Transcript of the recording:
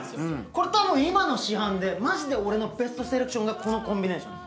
これたぶん今の市販でマジで俺のベストセレクションがこのコンビネーションです。